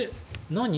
何？